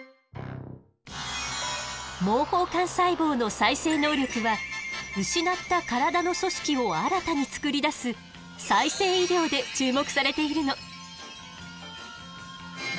毛包幹細胞の再生能力は失った体の組織を新たに作り出す「再生医療」で注目されているの。